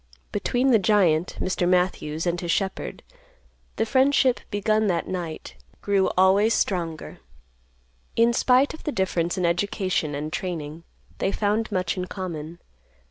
Between the giant Mr. Matthews and his shepherd, the friendship, begun that night, grew always stronger. In spite of the difference in education and training, they found much in common.